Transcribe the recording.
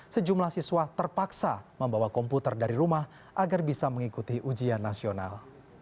sejumlah siswa terpaksa membawa komputer dari rumah agar bisa mengikuti ujian nasional